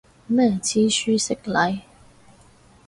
咩知書識禮